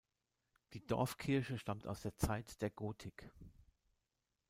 Die Dorfkirche stammt aus der Zeit der Gotik.